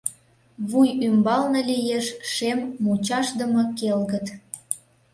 Вуй ӱмбалне лиеш шем, мучашдыме келгыт.